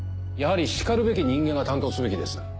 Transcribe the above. やはりしかるべき人間が担当すべきです。